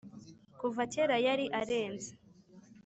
kuva kera yari arenze